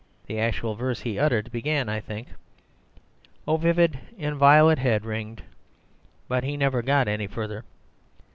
The actual verse he uttered began, I think, 'O vivid, inviolate head, Ringed—' but he never got any further.